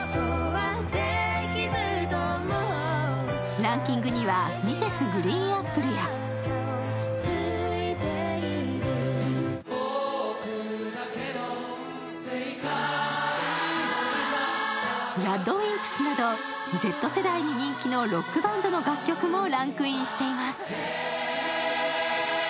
ランキングにはＭｒｓ．ＧＲＥＥＮＡＰＰＬＥやＲＡＤＷＩＭＰＳなどＺ世代に人気のロックバンドの楽曲もランクインしています。